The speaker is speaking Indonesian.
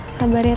sabar ya tante